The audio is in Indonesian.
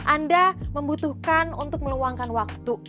anda membutuhkan untuk meluangkan waktu